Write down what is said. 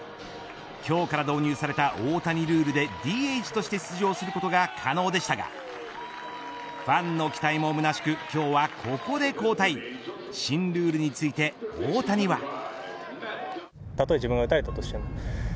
今日から導入された大谷ルールでＤＨとして出場することが可能でしたがファンの期待もむなしく今日はここで交代新ルールについて大谷は。